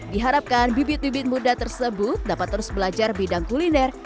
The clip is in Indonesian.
diharapkan bibit bibit muda tersebut dapat terus belajar bidang kuliner